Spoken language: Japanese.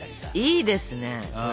いいですねそれ。